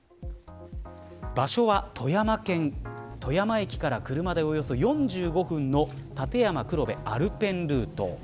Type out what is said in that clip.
場所は富山駅から車でおよそ４５分の立山黒部アルペンルート。